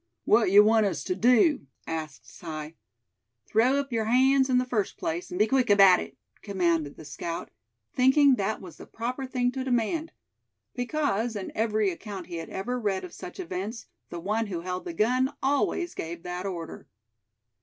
"Wat yuh want us tuh do?" asked Si. "Throw up your hands, in the first place, and be quick about it!" commanded the scout, thinking that was the proper thing to demand; because, in every account he had ever read of such events, the one who held the gun always gave that order.